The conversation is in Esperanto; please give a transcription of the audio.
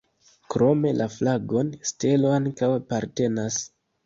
Krome la flagon stelo ankaŭ apartenas.